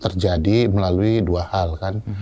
terjadi melalui dua hal kan